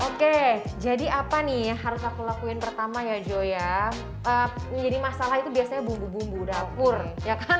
oke jadi apa nih harus aku lakuin pertama ya joya jadi masalah itu biasanya bumbu bumbu dapur ya kan